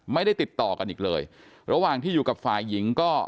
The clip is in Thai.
ไม่ได้ติดต่อกันอีกเลยระหว่างที่อยู่กับฝ่ายหญิงก็